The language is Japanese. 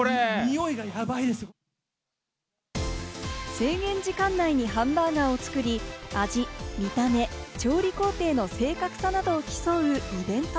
制限時間内にハンバーガーを作り、味、見た目、調理工程の正確さなどを競うイベント。